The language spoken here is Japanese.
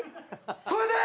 それで？